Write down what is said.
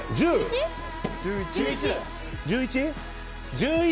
１１！